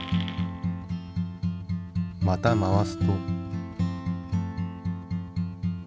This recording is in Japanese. また回すと。